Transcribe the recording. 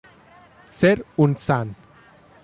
Ser un sant.